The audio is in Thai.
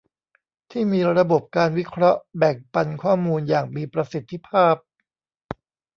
ที่มีระบบการวิเคราะห์แบ่งปันข้อมูลอย่างมีประสิทธิภาพ